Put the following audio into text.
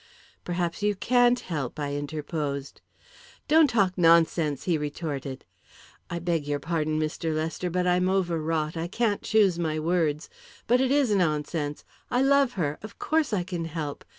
"Perhaps you can't help," I interposed. "Don't talk nonsense!" he retorted. "I beg your pardon, Mr. Lester, but I'm overwrought I can't choose my words. But it is nonsense. I love her of course I can help.